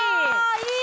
いい！」